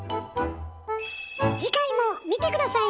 次回も見て下さいね！